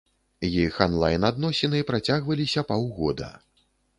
Іх анлайн-адносіны працягваліся паўгода.